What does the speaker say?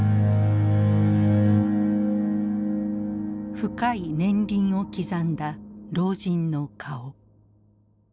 深い年輪を刻んだ老人の顔。